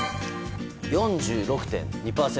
４６．２％。